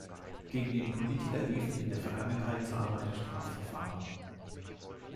Gegen den Politiker liefen in der Vergangenheit zahlreiche Strafverfahren.